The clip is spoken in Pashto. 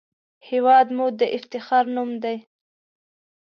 هېواد مو د افتخار نوم دی